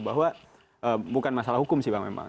bahwa bukan masalah hukum sih bang memang